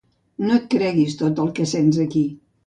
No et creguis tot el que sents aquí.